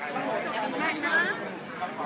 ขอโทษนะครับ